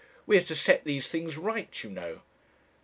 We are to set these things right, you know.'